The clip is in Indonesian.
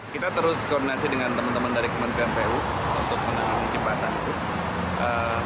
kita terus koordinasi dengan teman teman dari kementerian pu untuk menangani jembatan